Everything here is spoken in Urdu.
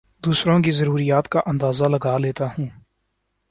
دوسروں کی ضروریات کا اندازہ لگا لیتا ہوں